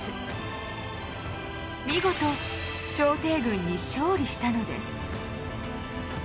見事朝廷軍に勝利したのです。